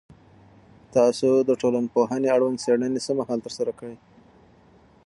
تاسو د ټولنپوهنې اړوند څېړنې څه مهال ترسره کړي؟